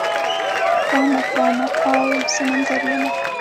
پاڼه، پاڼه اوړم سمندریمه